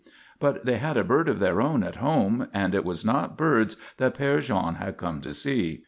But they had a bird of their own at home, and it was not birds that Père Jean had come to see.